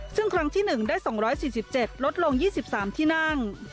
ซึ่งครั้งที่๑ได้๒๔๗ลดลง๒๓ที่นั่ง